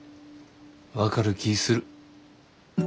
分かる気ぃする。